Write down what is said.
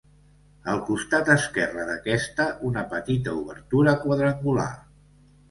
Al costat esquerre d'aquesta, una petita obertura quadrangular.